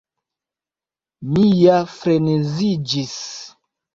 Mi ja freneziĝis.